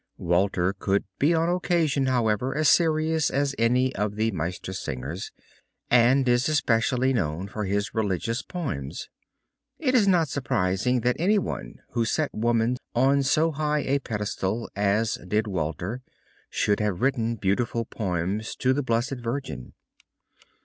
Walter could be on occasion, however, as serious as any of the Meistersingers and is especially known for his religious poems. It is not surprising that any one who set woman on so high a pedestal as did Walter, should have written beautiful poems to the Blessed Virgin.